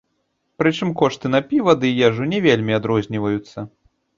Прычым кошты на піва ды ежу не вельмі адрозніваюцца.